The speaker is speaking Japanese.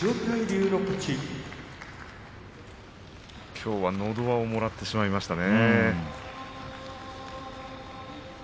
きょうはのど輪をもらってしまいましたね。